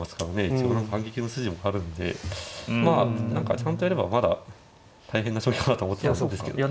一応反撃の筋もあるんでまあ何かちゃんとやればまだ大変な将棋かなと思ったんですけど。